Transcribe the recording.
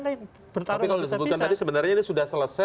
tapi kalau disebutkan tadi sebenarnya ini sudah selesai